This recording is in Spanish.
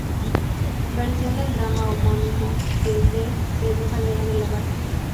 Versión del drama homónimo de D. Pedro Calderón de la Barca.